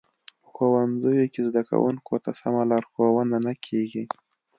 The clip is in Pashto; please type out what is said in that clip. په ښوونځیو کې زده کوونکو ته سمه لارښوونه نه کیږي